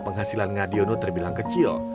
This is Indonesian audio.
ngadiono terbilang kecil